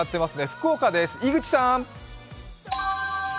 福岡です、井口さーん。